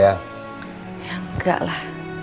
ya enggak lah